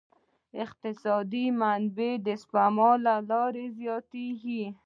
اقتصادي منابع د سپما له لارې زیاتیږي.